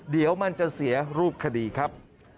เดี๋ยวมันจะเสียรูปคดีครับ